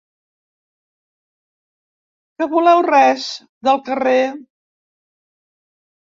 Que voleu res, del carrer?